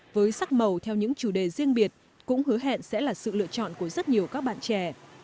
với sắc màu theo những chủ đề riêng biệt cũng hứa hẹn sẽ là sự lựa chọn của rất nhiều các bạn trẻ